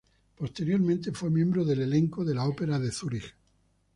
Posteriormente fue miembro del elenco de la Ópera de Zúrich.